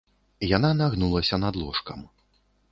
Яна нагнулася над ложкам.